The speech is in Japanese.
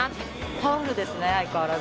パワフルですね相変わらず。